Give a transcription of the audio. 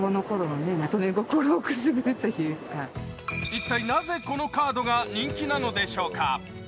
一体、なぜこのカードが人気なのでしょうか。